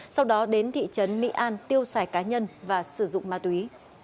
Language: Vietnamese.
sau đó đến thị trấn mỹ an tiêu xài cá nhân và sử dụng ma túy